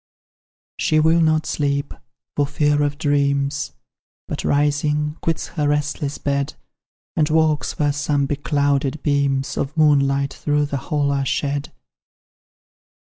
She will not sleep, for fear of dreams, But, rising, quits her restless bed, And walks where some beclouded beams Of moonlight through the hall are shed.